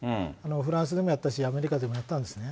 フランスでもやったし、アメリカでもやったんですね。